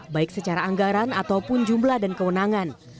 baik secara anggaran ataupun jumlah dan kewenangan